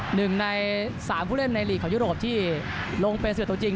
หนึ่งในสามผู้เล่นในลีกของยุโรปที่ลงเป็นเสือตัวจริง